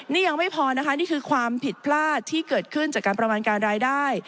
นี่ยังไม่พอนะคะนี่คือความผิดพลาดที่เกิดขึ้นจากการประมาณการรายได้